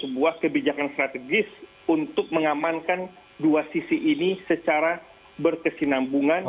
sebuah kebijakan strategis untuk mengamankan dua sisi ini secara berkesinambungan